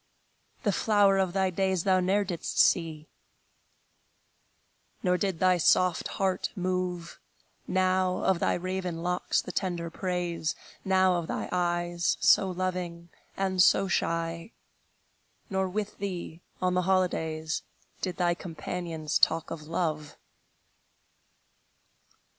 The flower of thy days thou ne'er didst see; Nor did thy soft heart move Now of thy raven locks the tender praise, Now of thy eyes, so loving and so shy; Nor with thee, on the holidays, Did thy companions talk of love.